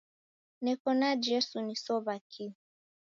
Neko na Jesu nisow'a kii?